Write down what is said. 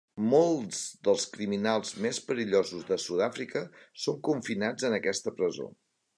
Molts dels criminals més perillosos de Sud-àfrica són confinats en aquesta presó.